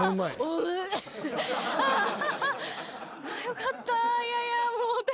よかった。